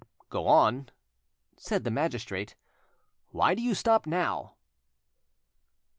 "Go on," said the magistrate; "why do you stop now?"